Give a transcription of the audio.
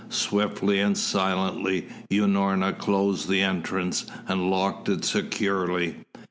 Swiftly and silently Unorna closed the entrance and locked it securely.